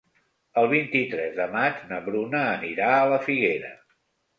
El vint-i-tres de maig na Bruna anirà a la Figuera.